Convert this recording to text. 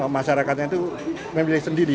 masyarakatnya itu memilih sendiri